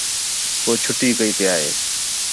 کُو چُھٹّی کَئی پِیا ہے